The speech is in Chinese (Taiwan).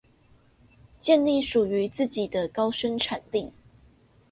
建立屬於自己的高生產力